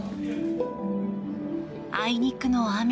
あいにくの雨。